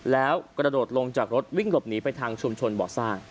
แล้วกระโดดลงจากรถวิ่งหลบหนีไปทางชุมชนบ่อสร้าง